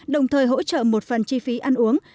đồng thời hỗ trợ một phần chi phí ăn uống